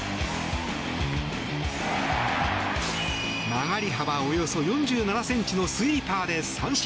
曲がり幅およそ４７ｃｍのスイーパーで三振。